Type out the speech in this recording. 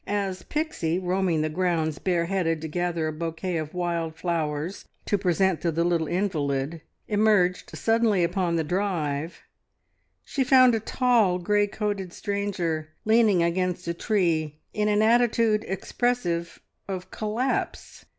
As Pixie, roaming the grounds bareheaded to gather a bouquet of wild flowers to present to the little invalid, emerged suddenly upon the drive, she found a tall, grey coated stranger leaning against a tree in an attitude expressive of collapse.